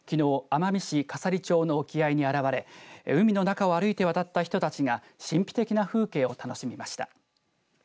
奄美市笠利町の沖合に現れ海の中を歩いて渡った人たちが神秘的な風景を楽しみました。